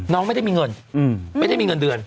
ไม่ได้มีเงินไม่ได้มีเงินเดือน